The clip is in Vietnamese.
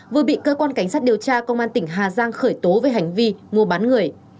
vừa bị cơ quan cảnh sát điều tra công an tỉnh hà giang khởi tố về hành vi mua bán người